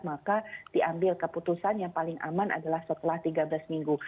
maka diambil keputusan yang paling aman adalah setelah tiga belas minggu